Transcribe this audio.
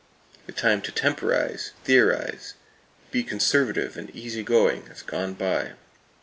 The time to temporize, theorize, be conservative and easy going has gone by.